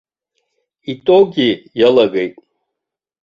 Итоги иалагеит.